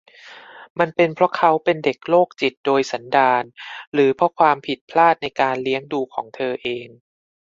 มันเป็นเพราะเขาเป็นเด็กโรคจิตโดยสันดาน หรือเป็นเพราะความผิดพลาดในการเลี้ยงดูของเธอเอง